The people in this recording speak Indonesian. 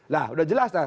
nah sudah jelas kan